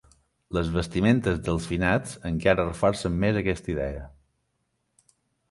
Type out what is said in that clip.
Les vestimentes dels finats encara reforcen més aquesta idea.